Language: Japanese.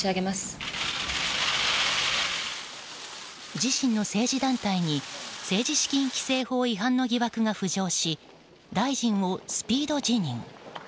自身の政治団体に政治資金規正法違反の疑惑が浮上し大臣をスピード辞任。